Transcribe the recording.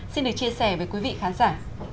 xin được chia sẻ với quý vị khán giả